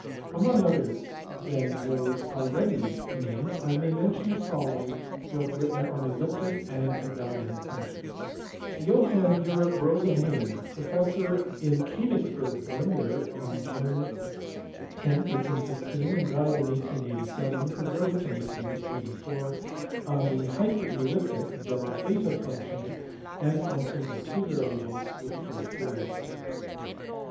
Among others than those already named I may mention the following who have written on Elliptic and Abelian functions. Johann Georg Rosenhain, professor in Konigsberg, born there on June 10, 1816, and died in 1887, who wrote (in 1844) on the hyperelliptic (double theta) function and functions of two variables with four periods.